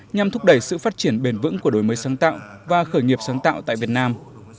nhằm thúc đẩy sự phát triển bền vững của đổi mới sáng tạo và khởi nghiệp sáng tạo tại việt nam